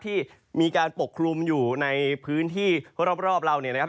ที่มีการปกคลุมอยู่ในพื้นที่รอบเราเนี่ยนะครับ